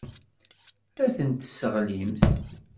Ad tent-tesseɣlimt.